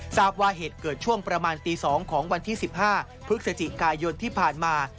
ทราบว่าเหตุเกิดช่วงประมาณตี๒ของวันที่๑๕พฤศจิกายนที่ผ่านมา